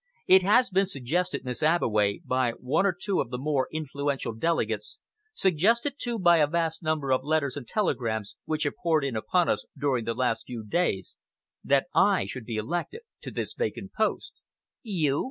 It has been suggested, Miss Abbeway, by one or two of the more influential delegates, suggested, too, by a vast number of letters and telegrams which have poured in upon us during the last few days, that I should be elected to this vacant post." "You?"